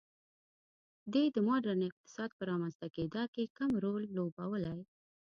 دې د ماډرن اقتصاد په رامنځته کېدا کې کم رول لوبولی.